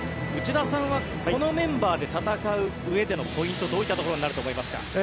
内田さんはこのメンバーで戦ううえでのポイントはどういったところになると思いますか？